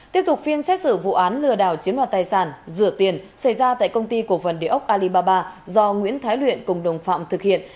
tiếp tục phiên xét xử vụ án lừa đảo chiếm loạt tài sản rửa tiền xảy ra tại công ty của vần đề ốc alibaba do nguyễn thái luyện cùng đồng phạm thực hiện